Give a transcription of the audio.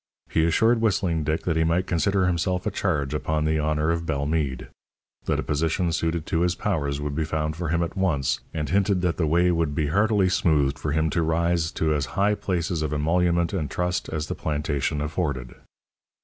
He assured Whistling Dick that he might consider himself a charge upon the honour of Bellemeade; that a position suited to his powers would be found for him at once, and hinted that the way would be heartily smoothed for him to rise to as high places of emolument and trust as the plantation afforded.